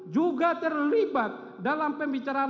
juga terlibat dalam pembicaraan